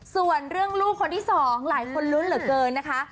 ส่วนเรื่องลูกคนที่สองหลายคนลุ้นเหลือเกินนะคะ